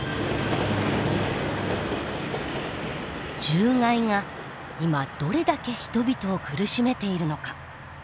獣害が今どれだけ人々を苦しめているのか。